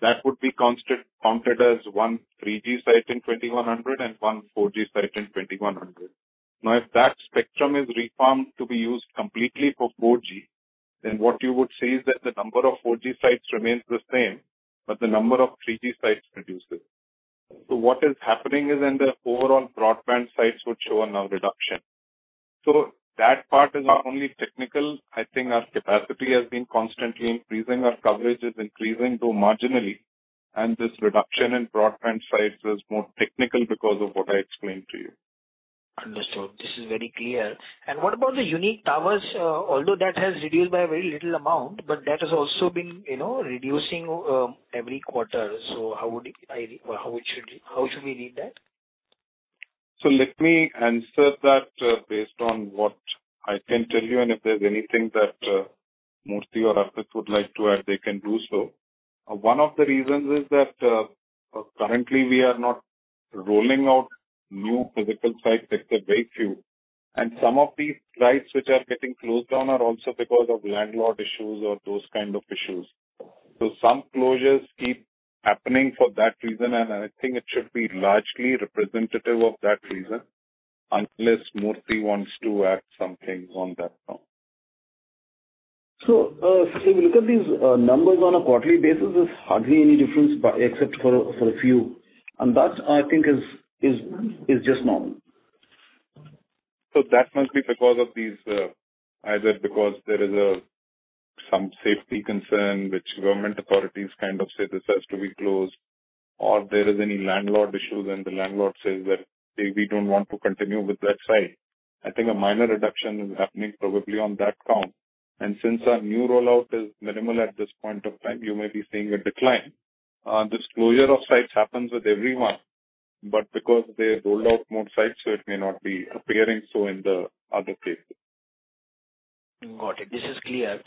[SPEAKER 2] that would be construed as one 3G site in 2100 and one 4G site in 2100. Now, if that spectrum is reformed to be used completely for 4G, then what you would see is that the number of 4G sites remains the same, but the number of 3G sites reduces. So what is happening is in the overall broadband sites would show a non-reduction. So that part is not only technical, I think our capacity has been constantly increasing, our coverage is increasing, though marginally, and this reduction in broadband sites is more technical because of what I explained to you.
[SPEAKER 7] Understood. This is very clear. What about the unique towers? Although that has reduced by a very little amount, but that has also been, you know, reducing every quarter. So how would I, how it should, how should we read that?
[SPEAKER 2] So let me answer that, based on what I can tell you, and if there's anything that, Murthy or Asit would like to add, they can do so. One of the reasons is that, currently we are not rolling out new physical sites, except very few, and some of these sites which are getting closed down are also because of landlord issues or those kind of issues. So some closures keep happening for that reason, and I think it should be largely representative of that reason, unless Murthy wants to add something on that note.
[SPEAKER 3] So, if you look at these numbers on a quarterly basis, there's hardly any difference, but except for a few, and that, I think, is just normal.
[SPEAKER 2] That must be because of these, either because there is some safety concern which government authorities kind of say, "This has to be closed," or there is any landlord issue, then the landlord says that, "Hey, we don't want to continue with that site." I think a minor reduction is happening probably on that count, and since our new rollout is minimal at this point of time, you may be seeing a decline. This closure of sites happens with everyone, but because they rolled out more sites, so it may not be appearing so in the other places.
[SPEAKER 7] Got it. This is clear.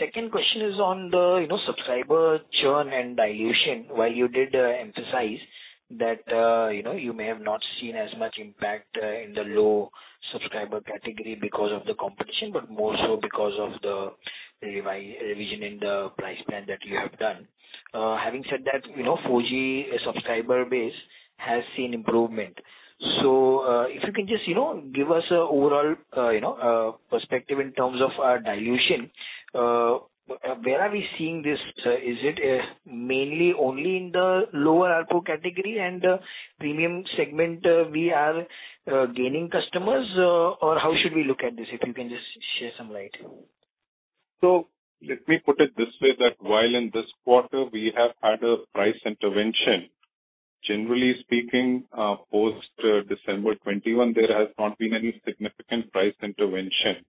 [SPEAKER 7] Second question is on the, you know, subscriber churn and dilution. While you did emphasize that, you know, you may have not seen as much impact in the low subscriber category because of the competition, but more so because of the revision in the price plan that you have done. Having said that, you know, 4G subscriber base has seen improvement. So, if you can just, you know, give us a overall perspective in terms of dilution, where are we seeing this? Is it mainly only in the lower ARPU category and premium segment we are gaining customers, or how should we look at this? If you can just shed some light.
[SPEAKER 2] So let me put it this way, that while in this quarter we have had a price intervention, generally speaking, post December 2021, there has not been any significant price intervention,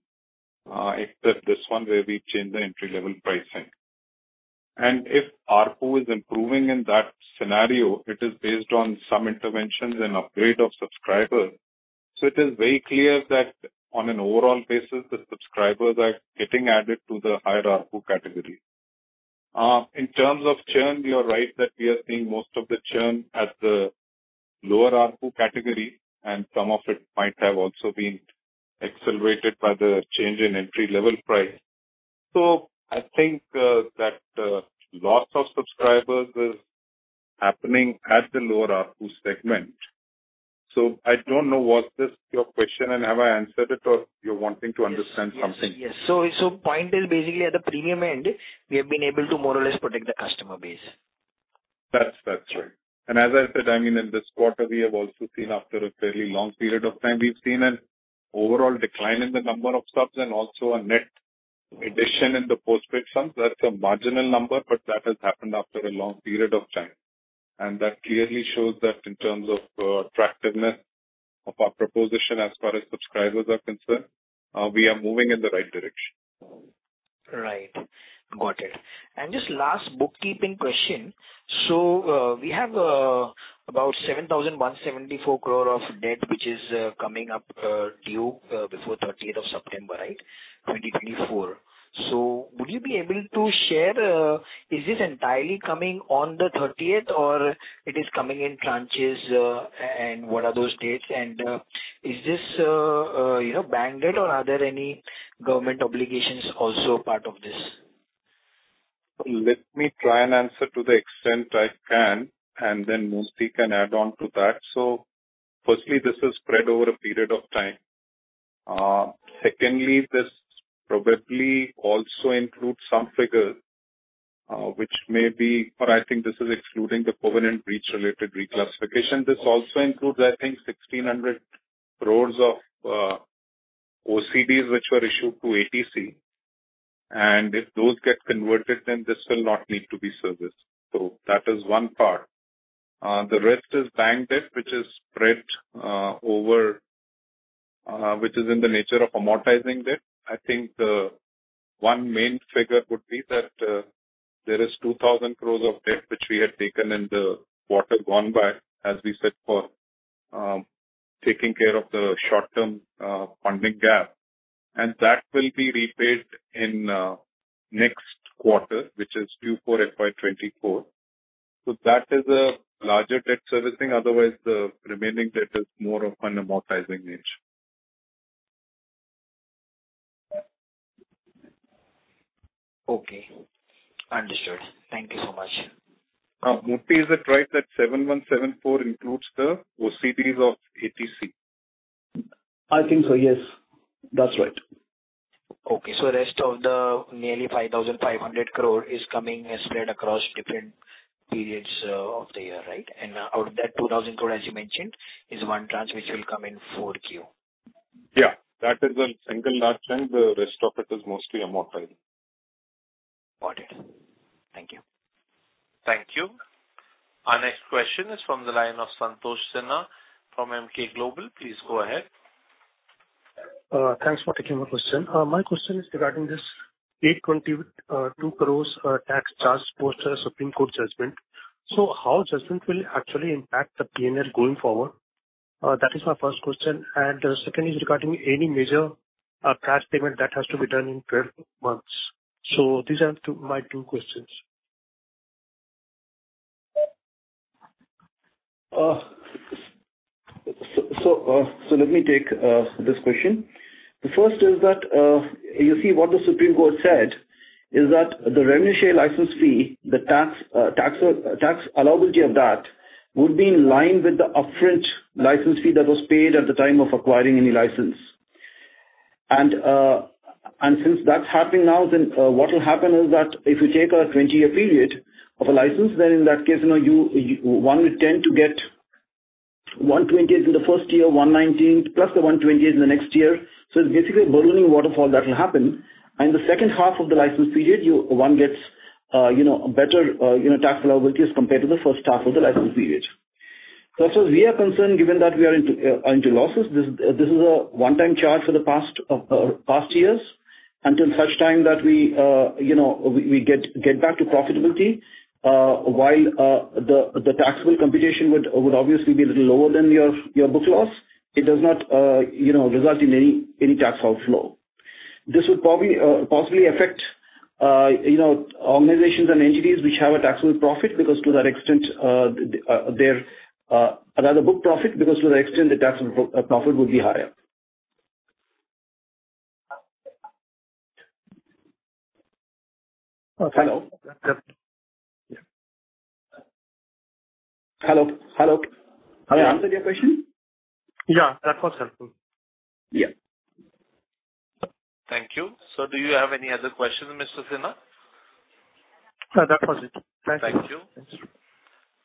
[SPEAKER 2] except this one, where we changed the entry-level pricing. And if ARPU is improving in that scenario, it is based on some interventions and upgrade of subscribers. So it is very clear that on an overall basis, the subscribers are getting added to the higher ARPU category. In terms of churn, you are right that we are seeing most of the churn at the lower ARPU category, and some of it might have also been accelerated by the change in entry-level price. So I think that loss of subscribers is happening at the lower ARPU segment. I don't know, was this your question and have I answered it, or you're wanting to understand something?
[SPEAKER 7] Yes. Yes. So, point is basically at the premium end, we have been able to more or less protect the customer base.
[SPEAKER 2] That's, that's right. And as I said, I mean, in this quarter, we have also seen after a fairly long period of time, we've seen an overall decline in the number of subs and also a net addition in the postpaid phones. That's a marginal number, but that has happened after a long period of time, and that clearly shows that in terms of attractiveness of our proposition, as far as subscribers are concerned, we are moving in the right direction....
[SPEAKER 7] Got it. And just last bookkeeping question. So, we have about 7,174 crore of debt, which is coming up due before thirtieth of September, right? 2024. So would you be able to share, is this entirely coming on the thirtieth or it is coming in tranches, and what are those dates? And, is this, you know, bank debt or are there any government obligations also part of this?
[SPEAKER 2] Let me try and answer to the extent I can, and then Murthy can add on to that. So firstly, this is spread over a period of time. Secondly, this probably also includes some figures, which may be, but I think this is excluding the covenant breach-related reclassification. This also includes, I think, 1,600 crore of OCDs, which were issued to ATC. And if those get converted, then this will not need to be serviced. So that is one part. The rest is bank debt, which is spread over, which is in the nature of amortizing debt. I think the one main figure would be that there is 2,000 crore of debt, which we had taken in the quarter gone by, as we said, for taking care of the short-term funding gap, and that will be repaid in next quarter, which is due for FY 2024. So that is a larger debt servicing. Otherwise, the remaining debt is more of an amortizing nature.
[SPEAKER 7] Okay, understood. Thank you so much.
[SPEAKER 2] Murthy, is that right, that 7174 includes the OCDs of ATC?
[SPEAKER 3] I think so, yes. That’s right.
[SPEAKER 7] Okay. So the rest of the nearly 5,500 crore is coming and spread across different periods of the year, right? And out of that 2,000 crore, as you mentioned, is one tranche, which will come in Q4.
[SPEAKER 2] Yeah, that is a single large tranche. The rest of it is mostly amortizing.
[SPEAKER 7] Got it. Thank you.
[SPEAKER 1] Thank you. Our next question is from the line of Santosh Sinha from Emkay Global. Please go ahead.
[SPEAKER 8] Thanks for taking my question. My question is regarding this 822 crore tax charge post the Supreme Court judgment. So how judgment will actually impact the PNL going forward? That is my first question, and the second is regarding any major cash payment that has to be done in 12 months. These are two, my two questions.
[SPEAKER 3] So, let me take this question. The first is that, you see, what the Supreme Court said is that the revenue share license fee, the tax, tax allowability of that, would be in line with the upfront license fee that was paid at the time of acquiring any license. And since that’s happening now, then what will happen is that if you take a 20-year period of a license, then in that case, you know, you, you-- one would tend to get 120 in the first year, 119, plus the 120 in the next year. So it’s basically a burgeoning waterfall that will happen. In the second half of the license period, you, one gets, you know, a better, you know, tax allowability as compared to the first half of the license period. As we are concerned, given that we are into losses, this is a one-time charge for the past years, until such time that we, you know, we get back to profitability. While the taxable computation would obviously be a little lower than your book loss, it does not, you know, result in any tax outflow. This would probably, possibly affect, you know, organizations and entities which have a taxable profit, because to that extent, their another book profit, because to that extent, the taxable profit would be higher.
[SPEAKER 8] Okay.
[SPEAKER 3] Hello? Hello, hello. I answered your question?
[SPEAKER 8] Yeah, that was helpful.
[SPEAKER 3] Yeah.
[SPEAKER 1] Thank you. So do you have any other questions, Mr. Sinha?
[SPEAKER 8] No, that was it. Thank you.
[SPEAKER 1] Thank you.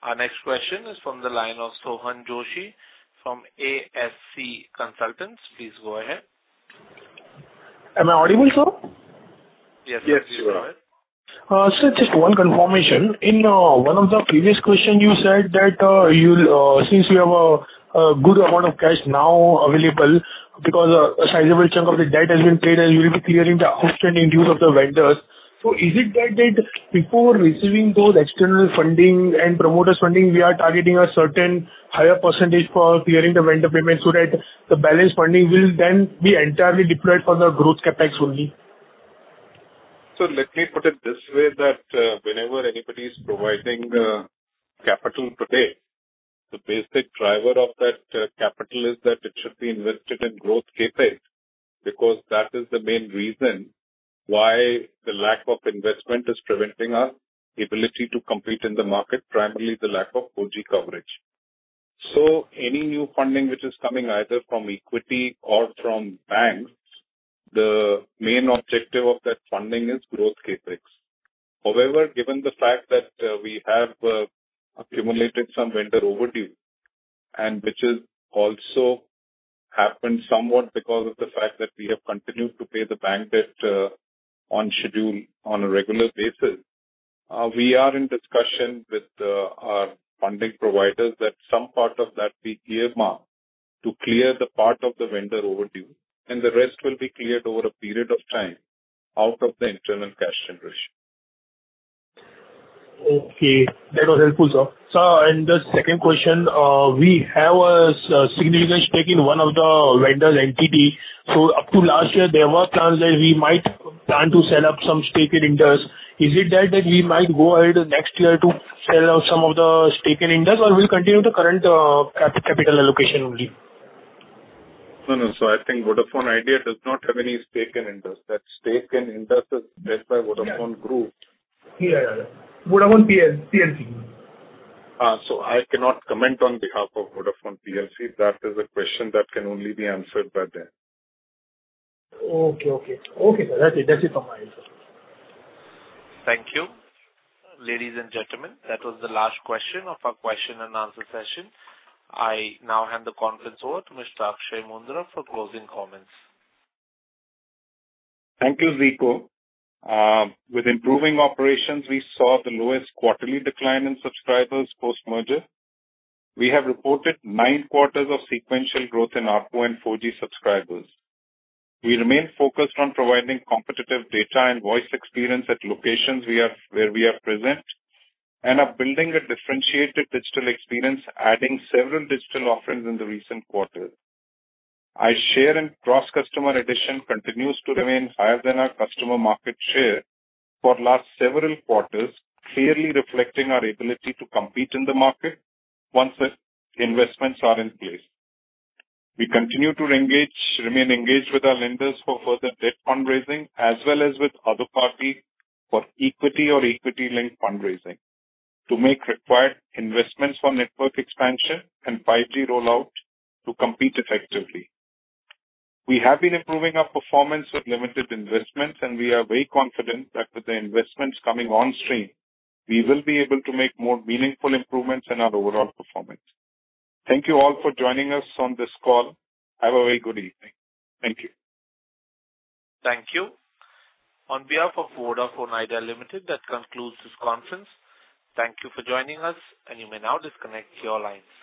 [SPEAKER 1] Our next question is from the line of Sohan Joshi from ASC Consultants. Please go ahead.
[SPEAKER 9] Am I audible, sir?
[SPEAKER 1] Yes.
[SPEAKER 2] Yes, you are.
[SPEAKER 9] So just one confirmation. In one of the previous question, you said that you'll since you have a good amount of cash now available because a sizable chunk of the debt has been paid, and you will be clearing the outstanding dues of the vendors. So is it that that before receiving those external funding and promoters funding, we are targeting a certain higher percentage for clearing the vendor payments so that the balance funding will then be entirely deployed for the growth CapEx only?
[SPEAKER 2] So let me put it this way, that, whenever anybody is providing, capital today, the basic driver of that, capital is that it should be invested in growth CapEx, because that is the main reason why the lack of investment is preventing our ability to compete in the market, primarily the lack of 4G coverage. So any new funding which is coming either from equity or from banks, the main objective of that funding is growth CapEx. However, given the fact that, we have, accumulated some vendor overdue, and which is also happened somewhat because of the fact that we have continued to pay the bank debt, on schedule on a regular basis. We are in discussion with our funding providers that some part of that we earmarked to clear the part of the vendor overdue, and the rest will be cleared over a period of time out of the internal cash generation.
[SPEAKER 9] Okay, that was helpful, sir. Sir, the second question, we have a significant stake in one of the vendor entity. So up to last year, there were plans that we might plan to sell up some stake in Indus. Is it that we might go ahead next year to sell out some of the stake in Indus, or we'll continue the current capital allocation only?
[SPEAKER 2] No, no. So I think Vodafone Idea does not have any stake or Indus. That stake or Indus is led by Vodafone Group.
[SPEAKER 9] Yeah. Vodafone plc.
[SPEAKER 2] I cannot comment on behalf of Vodafone plc. That is a question that can only be answered by them.
[SPEAKER 9] Okay, okay. Okay, sir. That's it. That's it from my end.
[SPEAKER 1] Thank you. Ladies and gentlemen, that was the last question of our question and answer session. I now hand the conference over to Mr. Akshaya Moondra for closing comments.
[SPEAKER 2] Thank you, Zico. With improving operations, we saw the lowest quarterly decline in subscribers post-merger. We have reported nine quarters of sequential growth in our 4G subscribers. We remain focused on providing competitive data and voice experience at locations we are, where we are present, and are building a differentiated digital experience, adding several digital offerings in the recent quarter. Our share in gross customer addition continues to remain higher than our customer market share for the last several quarters, clearly reflecting our ability to compete in the market once the investments are in place. We continue to engage, remain engaged with our lenders for further debt fundraising, as well as with other parties for equity or equity-linked fundraising to make required investments for network expansion and 5G rollout to compete effectively. We have been improving our performance with limited investments, and we are very confident that with the investments coming on stream, we will be able to make more meaningful improvements in our overall performance. Thank you all for joining us on this call. Have a very good evening. Thank you.
[SPEAKER 1] Thank you. On behalf of Vodafone Idea Limited, that concludes this conference. Thank you for joining us, and you may now disconnect your lines.